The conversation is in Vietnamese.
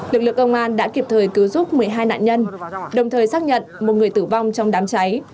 lực lượng công an đã kịp thời cứu giúp một mươi hai nạn nhân đồng thời xác nhận một người tử vong trong đám cháy